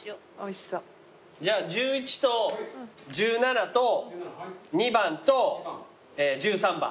じゃあ１１と１７と２番と１３番。